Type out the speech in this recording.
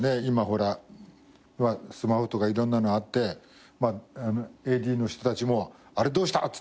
今ほらスマホとかいろんなのあってＡＤの人たちも「あれどうした？」